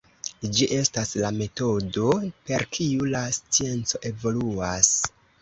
Ĝi estas la metodo per kiu la scienco evoluas.